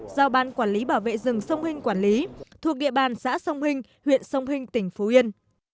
do ban quản lý bảo vệ rừng sông hinh quản lý thuộc địa bàn xã sông hinh huyện sông hinh tỉnh phú yên